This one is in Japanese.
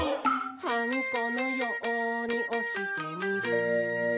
「はんこのようにおしてみる」